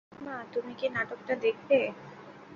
মা, তুমি কি নাটকটা দেখবে?